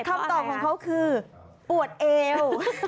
คำตอบของเขาคืออวดเอว